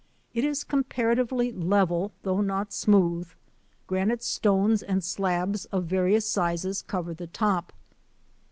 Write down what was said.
It is comparatively level though not smooth. Granite stones and slabs of various sizes cover the top.